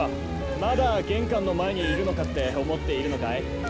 まだ玄関の前にいるのかって思っているのかい？